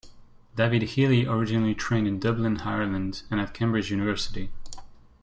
David Healy originally trained in Dublin, Ireland, and at Cambridge University.